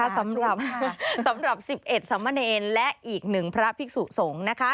สำหรับ๑๑สมเนรและอีกหนึ่งพระภิกษุสงฆ์